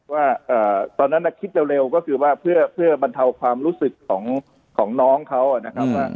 ว่าตอนนั้นคิดเร็วก็คือว่าเพื่อบรรเทาความรู้สึกของน้องเขานะครับว่า